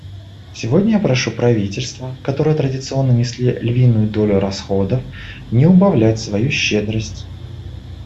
Сегодня я прошу правительства, которые традиционно несли львиную долю расходов, не убавлять свою щедрость.